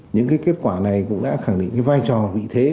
những kết quả này cũng đã khẳng định vai trò vị thế